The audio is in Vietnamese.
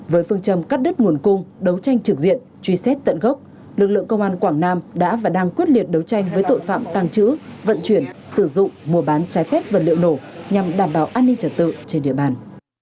với phương châm cắt đứt nguồn cung đấu tranh trực diện truy xét tận gốc lực lượng công an quảng nam đã và đang quyết liệt đấu tranh với tội phạm tàng trữ vận chuyển sử dụng mua bán trái phép vật liệu nổ nhằm đảm bảo an ninh trật tự trên địa bàn